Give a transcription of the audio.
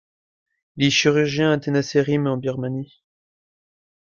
Il est chirurgien à Tenasserim en Birmanie.